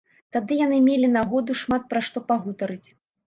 Тады яны мелі нагоду шмат пра што пагутарыць.